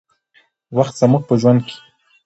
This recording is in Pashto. وخت زموږ په ژوند کې